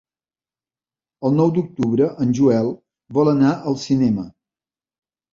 El nou d'octubre en Joel vol anar al cinema.